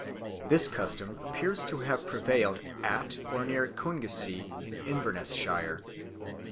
This custom appears to have prevailed at or near Kingussie in Inverness shire.